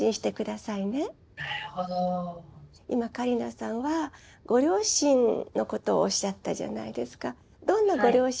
今桂里奈さんはご両親のことをおっしゃったじゃないですか。